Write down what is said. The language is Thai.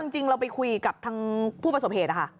จริงเราไปคุยกับทางผู้ประสบเหตุนะคะ